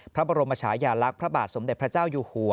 พระบรมชายาลักษณ์พระบาทสมเด็จพระเจ้าอยู่หัว